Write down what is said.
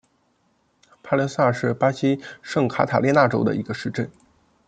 帕略萨是巴西圣卡塔琳娜州的一个市镇。